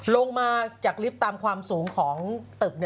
ลงมาจากลิฟต์ตามความสูงของตึก